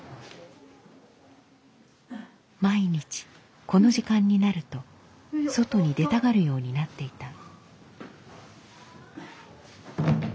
毎日この時間になると外に出たがるようになっていた。